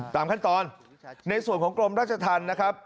ตามขั้นตอนในส่วนของกรมราชธรรมนะครับ